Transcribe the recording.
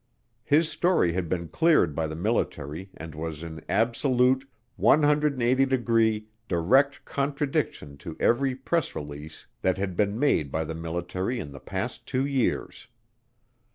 His story had been cleared by the military and was in absolute, 180 degree, direct contradiction to every press release that had been made by the military in the past two years.